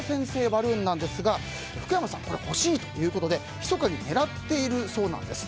バルーンなんですが福山さんこれ欲しいということでひそかに狙っているそうなんです。